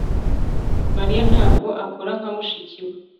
Mariya ntabwo akora nka mushiki we